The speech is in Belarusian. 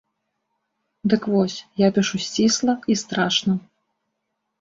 Дык вось, я пішу сцісла і страшна.